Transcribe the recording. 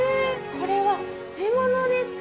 これは干物ですか？